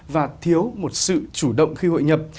và thiếu một sự chủ động khi hội nhập